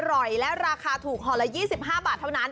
อร่อยและราคาถูกห่อละ๒๕บาทเท่านั้น